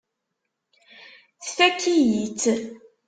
Tfakk-iyi-tt.